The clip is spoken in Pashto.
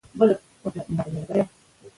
کله چې پوهه شریکه شي، غلط معلومات واک نه مومي.